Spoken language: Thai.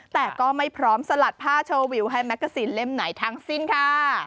แต่ก็ไม่พร้อมสลัดผ้าโชว์วิวให้แกซีนเล่มไหนทั้งสิ้นค่ะ